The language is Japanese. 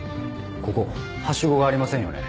ここハシゴがありませんよね？